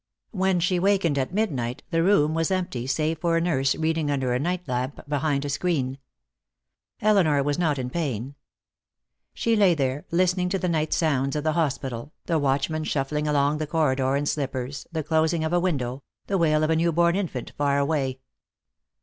When she wakened, at midnight, the room was empty save for a nurse reading under a night lamp behind a screen. Elinor was not in pain. She lay there, listening to the night sounds of the hospital, the watchman shuffling along the corridor in slippers, the closing of a window, the wail of a newborn infant far away.